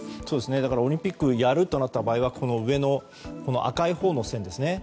オリンピックをやるとなった場合は赤いほうの線ですね。